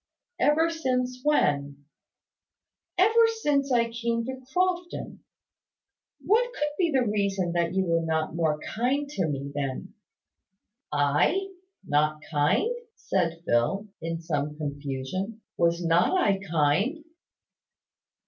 "Ever since when?" "Ever since I came to Crofton. What could be the reason that you were not more kind to me then?" "I! Not kind?" said Phil, in some confusion. "Was not I kind?"